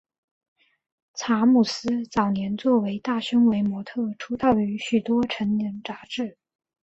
查姆斯早年作为大胸围模特出道于许多成人杂志。